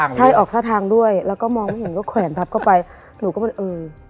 ใช่ออกท่าทางด้วยแล้วก็มองเห็นแขวนถักเข้าไป